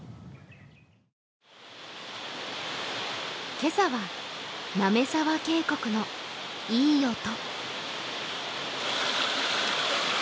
今朝は滑沢渓谷のいい音。